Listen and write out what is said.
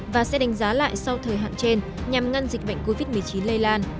và sẽ đánh giá lại sau thời hạn trên nhằm ngăn dịch bệnh covid một mươi chín lây lan